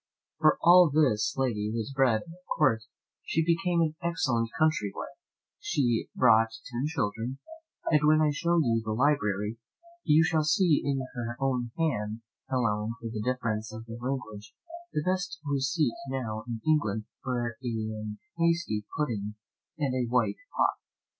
For all this lady was bred at court, she became an excellent country wife, she brought ten children, and when I shew you the library, you shall see in her own hand (allowing for the difference of the language) the best receipt now in England both for an hasty pudding and a white pot.